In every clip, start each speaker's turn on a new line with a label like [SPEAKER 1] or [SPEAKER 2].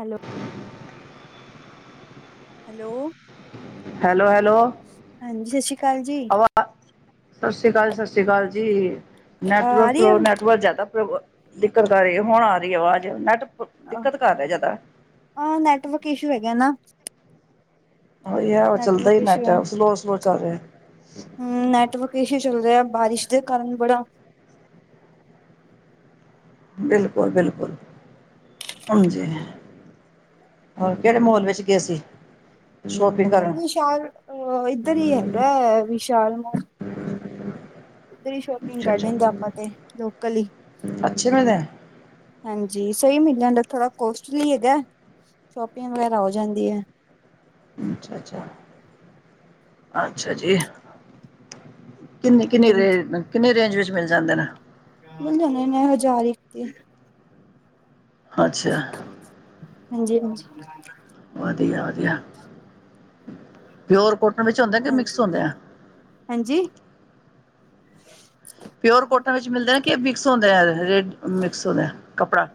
[SPEAKER 1] Hello. Hello
[SPEAKER 2] hello hello
[SPEAKER 1] ਹਾਂਜੀ ਸਤਿ ਸ੍ਰੀ ਕਾਲ ਜੀ
[SPEAKER 2] ਆਵਾਜ਼ ਸਤਿ ਸ਼੍ਰੀ ਅਕਾਲ, ਸਤਿ ਸ਼੍ਰੀ ਅਕਾਲ ਜੀ
[SPEAKER 1] ਆ ਰਹੀ
[SPEAKER 2] ਨੈਟਵਰਕੋ ਨੈਟਵਰਕ ਜ਼ਿਆਦਾ ਦਿੱਕਤ ਕਰ ਰਹੀ ਐ, ਹੁਣ ਆ ਰਹੀ ਐ ਆਵਾਜ਼, ਨੈਟ ਦਿੱਕਤ ਕਰ ਰਿਹਾ ਜ਼ਿਆਦਾ।
[SPEAKER 1] ਆ ਨੈਟਵਰਕ ਇਸ਼ੂ ਹੈਗਾ ਨਾ।
[SPEAKER 2] ਉਹੀ ਐ ਚਲੱਦਾ
[SPEAKER 1] ਨੈਟਵਰਕ
[SPEAKER 2] ਈ ਨੈਟ ਸਲੋ-ਸਲੋ ਚੱਲ ਰਿਹਾ।
[SPEAKER 1] ਹਮ ਨੈਟਵਰਕ ਇਸ਼ੂ ਚੱਲ ਰਿਹਾ ਬਾਰਿਸ਼ ਦੇ ਕਾਰਨ ਬੜਾ
[SPEAKER 2] ਬਿਲਕੁਲ-ਬਿਲਕੁਲ, ਹਾਂਜੀ। ਹੋਰ ਕਿਹੜੇ ਮੋਲ ਵਿੱਚ ਗਏ ਸੀ? ਕਰਨ
[SPEAKER 1] ਵਿਸ਼ਾਲ ਅ ਇੱਧਰ ਹੀ ਹੈਗਾ ਵਿਸ਼ਾਲ
[SPEAKER 2] [unintelligible]
[SPEAKER 1] ਉੱਧਰ ਹੀ ਸ਼ੋਪਿੰਗ
[SPEAKER 2] ਅੱਛਾ
[SPEAKER 1] ਕਰ
[SPEAKER 2] ਅੱਛਾ
[SPEAKER 1] ਲੈਂਗੇ ਆਪਾਂ ਤੇ ਲੋਕਲ ਇ
[SPEAKER 2] ਅੱਛੇ ਮਿਲਦੇ
[SPEAKER 1] ਹਾਂਜੀ, ਸਹੀ ਮਿਲ ਜਾਂਦਾ। ਥੋੜ੍ਹਾ ਕੋਸਟਲੀ ਹੈਗਾ, ਸ਼ੋਪਿੰਗ ਵਗੈਰਾ ਹੋ ਜਾਂਦੀ ਐ।
[SPEAKER 2] ਅੱਛਾ-ਅੱਛਾ, ਅੱਛਾ ਜੀ। ਕਿੰਨੀ-ਕਿੰਨੀ
[SPEAKER 1] ਹਾਂਜੀ
[SPEAKER 2] ਰੇ ਕਿੰਨੀ ਰੇਂਜ ਵਿੱਚ ਮਿਲ ਜਾਂਦੇ ਨੇ।
[SPEAKER 1] ਮਿਲ ਜਾਂਦੇ ਨੇ ਹਜ਼ਾਰ ਇੱਕ ਤੇ
[SPEAKER 2] ਅੱਛਾ।
[SPEAKER 1] ਹਾਂਜੀ-ਹਾਂਜੀ,
[SPEAKER 2] ਵਧੀਆ-ਵਧੀਆ। ਪਿਓਰ ਕੋਟਨ ਵਿੱਚ ਹੁੰਦੇ ਕਿ ਮਿਕਸ ਹੁੰਦੇ ਆ।
[SPEAKER 1] ਹਾਂਜੀ।
[SPEAKER 2] ਪਿਓਰ ਕੋਟਨ ਵਿੱਚ ਮਿਲਦੇ ਨੇ ਕਿ ਮਿਕਸ ਹੁੰਦੇ ਆ ਰ ਮਿਕਸ ਹੁੰਦਾ ਆ ਕੱਪੜਾ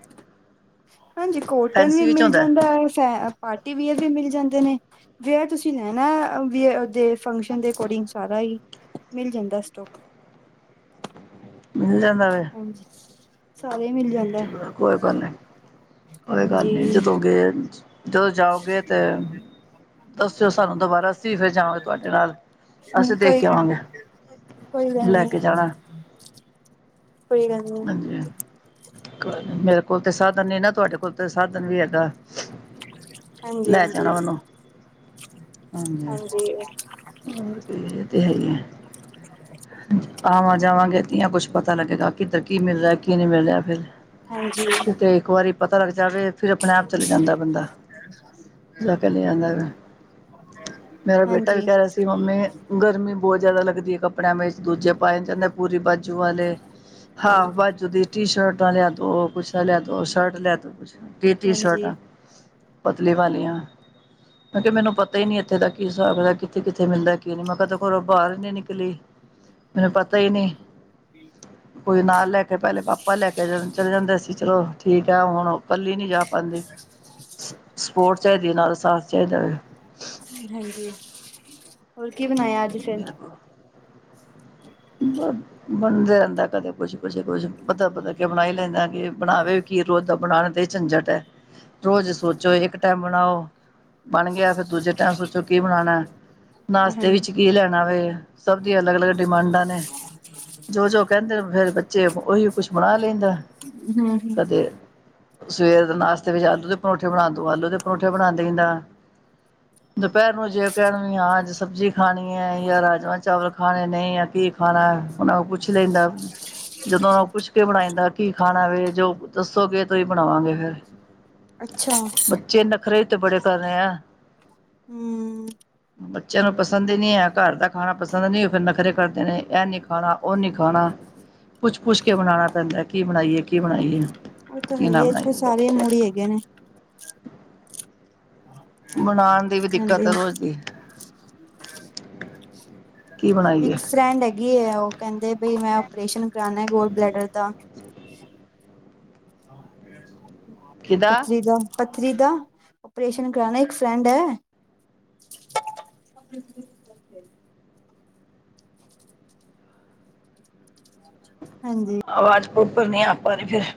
[SPEAKER 1] ਹਾਂਜੀ, ਕੋਟਨ ਵੀ
[SPEAKER 2] ਫੈਂਸੀ ਵਿੱਚ
[SPEAKER 1] ਮਿਲ
[SPEAKER 2] ਹੁੰਦਾ
[SPEAKER 1] ਜਾਂਦਾ ਏ, ਫ ਪਾਰਟੀਵਅਰ ਵੀ ਮਿਲ ਜਾਂਦੇ ਨੇ। ਜੇ ਤੁਸੀਂ ਲੈਣਾ ਵ ਊਦੇ ਫੰਕਸ਼ਨ ਦੇ ਅਕੋਰਡਿੰਗ ਸਾਰਾ ਹੀ। ਮਿਲ ਜਾਂਦਾ ਸਟੋਕ।
[SPEAKER 2] ਮਿਲ ਜਾਂਦਾ ਵੇ।
[SPEAKER 1] ਹਾਂਜੀ। ਸਾਰੇ ਮਿਲ ਜਾਂਦਾ
[SPEAKER 2] ਚਲੋ ਕੋਈ ਗੱਲ ਨੀ, ਕੋਈ ਗੱਲ
[SPEAKER 1] ਹਾਂਜੀ
[SPEAKER 2] ਨੀ ਜਦੋਂ ਗਏ ਜਦੋਂ ਜਾਓਗੇ ਤੇ ਦੱਸਿਓ ਸਾਨੂੰ ਦੁਬਾਰਾ, ਅਸੀਂ ਫਿਰ ਜਾਗੇ ਤੁਹਾਡੇ ਨਾਲ, ਅਸੀਂ ਦੇਖ
[SPEAKER 1] ਕੋਈ
[SPEAKER 2] ਕੇ
[SPEAKER 1] ਗੱਲ
[SPEAKER 2] ਆਵਾਂਗੇ।
[SPEAKER 1] ਕੋਈ ਗੱਲ
[SPEAKER 2] ਲੈ
[SPEAKER 1] ਨੀ।
[SPEAKER 2] ਕੇ ਜਾਣਾ
[SPEAKER 1] ਕੋਈ ਗੱਲ ਨੀ।
[SPEAKER 2] ਮੇਰੇ ਕੋਲ ਤੇ ਸਾਧਨ ਨੀ ਨਾ, ‌ ਤੁਹਾਡੇ ਕੋਲ ਤੇ ਸਾਧਨ ਵੀ ਹੈਗਾ‌।
[SPEAKER 1] ਹਾਂਜੀ
[SPEAKER 2] ਲੈ
[SPEAKER 1] ਹਾਂਜੀ
[SPEAKER 2] ਜਾਣਾ ਮੈਨੂੰ, ਹਾਂਜੀ। ਹਾਂਜੀ ਇਹ ਤੇ ਹੈ ਹੀ ਐ, ਆਵਾਂ ਜਾਵਾਂਗੇ ਕੁੱਛ ਪਤਾ ਲੱਗੇਗਾ, ਕਿੱਧਰ ਕੀ ਮਿਲ ਰਿਹਾ, ਕੀ ਨਹੀਂ ਮਿਲ ਰਿਹਾ ਫਿਰ,
[SPEAKER 1] ਹਾਂਜੀ
[SPEAKER 2] ਕਿਤੇ ਇੱਕ ਵਾਰੀ ਪਤਾ ਲੱਗ ਜਾਵੇ ਫਿਰ ਆਪਣੇ ਆਪ ਚਲੇ ਜਾਂਦਾ ਬੰਦਾ ਜਾ ਕੇ ਲੈ ਆਂਦਾ ਵਾ
[SPEAKER 1] [inaudible]
[SPEAKER 2] ਮੇਰਾ ਬੇਟਾ ਵੀ
[SPEAKER 1] ਹਾਂਜੀ
[SPEAKER 2] ਕਹਿ ਰਿਹਾ ਸੀ, ਮੰਮੀ ਗਰਮੀ ਬਹੁਤ ਜ਼ਿਆਦਾ ਲੱਗਦੀ ਐ ਕੱਪੜਿਆਂ ਵਿਚ, ਦੂਜੇ ਪਾਏ ਜਾਂਦੇ ਪੂਰੀ ਬਾਜੂ ਵਾਲੇ। ਹਾਫ ਬਾਜੂ ਦੀ ਟੀ ਸ਼ਰਟਾਂ ਆ ਲਿਆ ਦੋ, ਬੂਸ਼ਟਾ ਲਿਆ ਦੋ, ਸ਼ਰਟ ਲਿਆ ਦੋ ਕੁਛ ਤੀ ਤੀ
[SPEAKER 1] ਹਾਂਜੀ
[SPEAKER 2] ਸ਼ਰਟਾਂ ਪਤਲੀ ਵਾਲੀਆਂ ਮੈਂ ਕਿਹਾ ਮੈਨੂੰ ਪਤਾ ਹੀ ਨੀ ਇੱਥੇ ਦਾ ਕੀ ਹਿਸਾਬ ਐ ਕਿੱਥੇ-ਕਿੱਥੇ ਮਿਲਦਾ ਕੀ ਨੀ, ਮੈਂ ਕਦੇੋਂ ਬਾਹਰ ਨੀ ਨਿਕਲੀ। ਮੈਨੂੰ ਪਤਾ ਹੀ ਨੀ। ਕੋਈ ਨਾਲ ਲੈ ਕੇ, ਪਹਿਲੇ ਪਾਪਾ ਲੈ ਕੇ ਚਲੇ ਜਾਂਦੇ ਸੀ। ਚਲੋ ਠੀਕ ਆ ਹੁਣ ਇਕੱਲੀ ਨੀ ਜਾ ਪਾਂਦੀ।
[SPEAKER 1] [inaudible]
[SPEAKER 2] ਸਪੋਰਟ ਚਾਹੀਦੀ ਹੈ। ਨਾਲ ਸਾਥ ਚਾਹੀਦਾ ਵੇ।
[SPEAKER 1] ਹਾਂਜੀ ਹੋਰ ਕੀ ਬਣਾਇਆ ਅੱਜ ਫਿਰ?
[SPEAKER 2] ਬ ਬਣਦਾ ਰਹਿੰਦਾ ਕਦੇ ਕੁਛ ਕੁਛ ਕੁਝ ਬਦਲ ਬਦਲ ਕੇ ਬਣਾਈ ਲੈਂਦਾ ਕਿ ਬਣਾਵੇ ਕੀ, ਰੋਜ਼ ਦਾ ਬਣਾਨ ਤੇ ਝੰਜਟ ਹੈ। ਰੋਜ਼ ਸੋਚੋ ਇੱਕ ਟਾਈਮ ਬਣਾਓ। ਬਣ ਗਿਆ। ਫ਼ਿਰ ਦੂਜੇ ਟਾਈਮ ਸੋਚੋ ਕੀ ਬਣਾਉਣਾ? ਨਾਸ਼ਤੇ
[SPEAKER 1] ਹਮ
[SPEAKER 2] ਵਿੱਚ ਕੀ ਲੈਣਾ ਵੇ। ਸਭ ਦੀਆਂ ਅਲੱਗ -ਅਲੱਗ ਡਿਮਾਂਡਾਂ ਨੇ। ਜੋ -ਜੋ ਕਹਿੰਦੇ ਫਿਰ ਬੱਚੇ, ਉਹੀ ਕੁਛ ਬਣਾ ਲਾਈਦਾ, ਕਦੇ ਸਵੇਰ ਦੇ ਨਾਸ਼ਤੇ ਵਿੱਚ ਆਲੂ ਦੇ ਪਰੌਂਠੇ ਬਣਾ ਦੋ, ਆਲੂ ਦੇ ਪਰੋਂਠੇ ਬਣਾ ਦਈਦਾ। ਦੁਪਹਿਰ ਨੂੰ ਜੇ ਕਹਿਣ ਵੀ ਆ ਅੱਜ ਸਬਜ਼ੀ ਖਾਣੀ ਹੈ ਜਾਂ ਰਾਜਮਾਂ- ਚਾਵਲ ਖਾਣੇ ਨੇ ਜਾਂ ਕੀ ਖਾਣਾ ਉਹਨਾ ਨੂੰ ਪੁੱਛ ਲਾਈਦਾ। ਜਦੋਂ ਉਹਨਾਂ ਨੂੰ ਪੁੱਛ ਕੇ ਬਣਾਈਂਦਾ ਕੀ ਖਾਣਾ ਵੇ, ਜੋ ਦੱਸੋਗੇ ਤੇ ਉਹੀ ਬਣਾਵਾਂਗੇ ਫਿਰ
[SPEAKER 1] ਅੱਛਾ
[SPEAKER 2] ਤੇ ਨੱਖਰੇ ਵੀ ਤੇ ਬੜੇ ਪੈਣਾ ਆ।
[SPEAKER 1] ਹਉ
[SPEAKER 2] ਬੱਚਿਆਂ ਨੂੰ ਪਸੰਦ ਹੀ ਨਹੀ ਹੈ ਘਰ ਦਾ ਖਾਣਾ, ਪਸੰਦ ਨਹੀਂ ਉਹ ਫਿਰ ਨਖਰੇ ਕਰਦੇ ਨੇ। ਇਹ ਨਹੀਂ ਖਾਣਾ, ਉਹ ਨਹੀਂ ਖਾਣਾ। ਪੁੱਛ- ਪੁਛ ਕੇ ਬਣਾਉਣਾ ਪੈਂਦਾ। ਕੀ ਬਣਾਈਏ ਕੀ ਬਣਾਈਏ।
[SPEAKER 1] ਉਹ ਤਾਂ ਹੈ
[SPEAKER 2] ਕੀ ਨਾ
[SPEAKER 1] ਹੀ ਹੈ ਅੱਜ ਕੱਲ
[SPEAKER 2] ਬਣਾਈਏ
[SPEAKER 1] ਸਾਰੇ ਮੂੜੀ ਹੈਗੇ ਨੇ [inaudible]
[SPEAKER 2] ਬਣਾਨ ਦੀ ਵੀ ਦਿੱਕਤ
[SPEAKER 1] ਹਾਂਜੀ
[SPEAKER 2] ਆ ਰੋਜ਼ ਦੀ ਕੀ ਬਣਾਈਏ
[SPEAKER 1] ਇੱਕ ਫਰੈਡ ਹ ਗੈ ਹੈ ਉਹ ਕਹਿੰਦੇ ਬਈ ਮੈਂ ਆਪਓਪਰੇਸ਼ਨ ਕਰਾਉਣਾ ਹੇ ਗਾਲ ਬਲੈਡਰ ਦਾ
[SPEAKER 2] ਕਿਹਦਾ
[SPEAKER 1] ਪਚੀ ਗਮ ਪੱਥਰੀ ਦਾ ਆਪਓਰੇਸ਼ਨ ਕਰਾਨਾ। ਇੱਕ ਫਰੈਂਡ ਹੈ। ਹਾਂਜੀ।
[SPEAKER 2] ਆਵਾਜ਼ ਪ੍ਰੋਪਰ ਨਹੀਂ ਆ ਪਾ ਰਹੀ ਫਿਰ